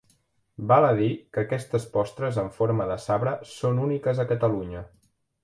Val a dir que aquestes postres en forma de sabre són úniques a Catalunya.